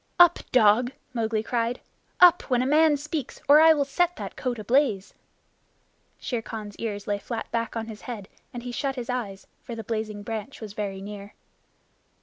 "Up, dog!" Mowgli cried. "Up, when a man speaks, or I will set that coat ablaze!" Shere Khan's ears lay flat back on his head, and he shut his eyes, for the blazing branch was very near.